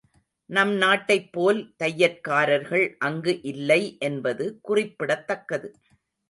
நம் நாட்டைப் போல் தையற்காரர்கள் அங்கு இல்லை என்பது குறிப்பிடத்தக்கது.